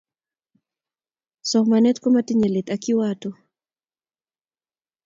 Somanet komatinyei let ak kiwato